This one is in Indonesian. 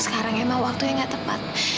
sekarang emang waktunya gak tepat